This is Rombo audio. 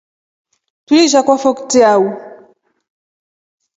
Tuliisha kwafo kitrau.